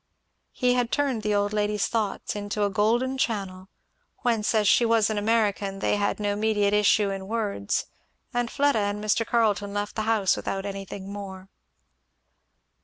He had turned the old lady's thoughts into a golden channel, whence, as she was an American, they had no immediate issue in words; and Fleda and Mr. Carleton left the house without anything more.